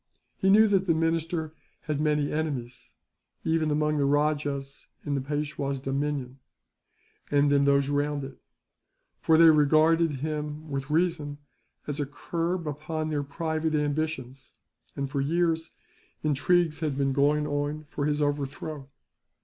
He knew that the minister had many enemies, even among the rajahs in the Peishwa's dominion, and in those round it; for they regarded him, with reason, as a curb upon their private ambitions and, for years, intrigues had been going on for his overthrow.